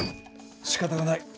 しかたがない。